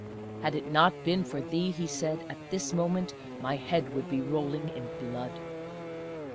"Had it not been for thee," he said, "at this moment my head would be rolling in blood!